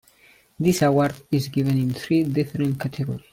This award is given in three different categories.